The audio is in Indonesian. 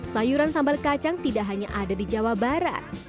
sayuran sambal kacang tidak hanya ada di jawa barat